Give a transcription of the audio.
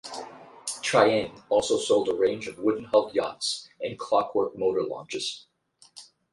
Tri-ang also sold a range of wooden hulled yachts and clockwork motor launches.